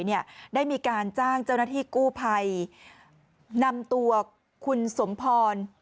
เนี่ยได้มีการจ้างเจ้าหน้าที่กู้ภัยนำตัวคุณสมพร